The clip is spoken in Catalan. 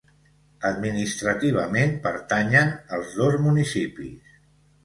Administrativament pertanyen als dos municipis.